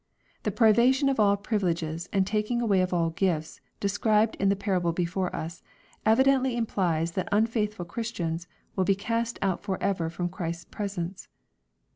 The privation of all privileges, and taking away of aD gifts, described in the parable belbre us, evidently implies that un faithful Christians will be cast out forever ffom Christ's presence.